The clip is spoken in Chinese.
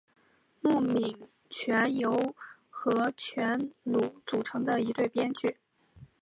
木皿泉由和泉努组成的一对编剧。